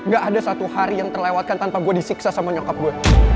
gak ada satu hari yang terlewatkan tanpa gue disiksa sama nyokap gue